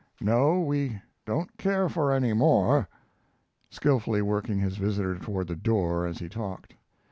No, we don't care for any more," skilfully working his visitor toward the door as he talked.